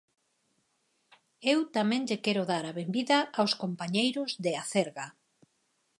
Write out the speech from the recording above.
Eu tamén lle quero dar a benvida aos compañeiros de Acerga.